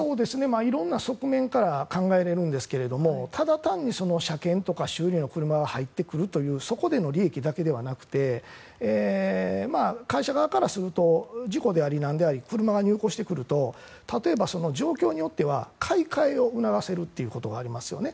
いろんな側面から考えられるんですがただ単に車検とか修理の車が入ってくるというそこでの利益だけではなくて会社側からすると事故であれ何であれ車が入庫してくると例えば状況によっては買い替えを促せるということがありますよね。